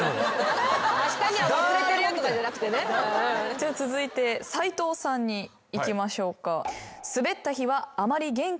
じゃあ続いて斉藤さんにいきましょうか。